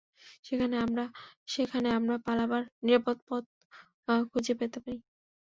সেখানে আমরা -- সেখানে আমরা পালাবার নিরাপদ পথ খুঁজে পেতে পারি।